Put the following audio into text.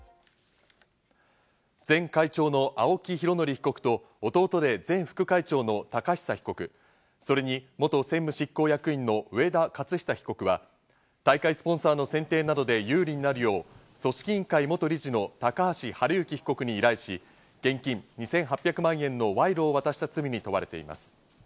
前会長の青木拡憲被告と弟で前副会長の寶久被告、それに元専務執行役員の上田雄久被告は大会スポンサーの選定などで有利になるよう、組織委員会・元理事の高橋治之被告に依頼し、現金２８００万円の賄賂を渡した罪に問われています。